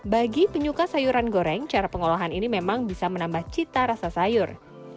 bagi penyuka sayuran goreng cara pengolahan ini memang bisa menambah cita rasa sayur